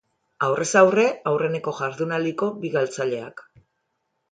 Aurrez aurre aurreneko jardunaldiko bi galtzaileak.